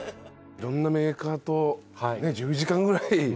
いろんなメーカーと１０時間ぐらい。